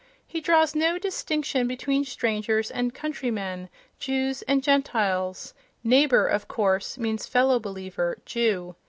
He draws no distinction between strangers and countrymen, Jews and Gentiles ("neighbour," of course, means fellow believer, Jew).